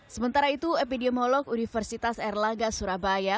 sementara itu epidemiolog universitas erlangga surabaya